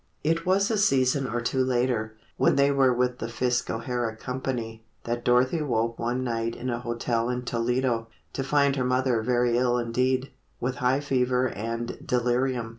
It was a season or two later, when they were with the Fisk O'Hara Company, that Dorothy woke one night in a hotel in Toledo, to find her mother very ill indeed, with high fever and delirium.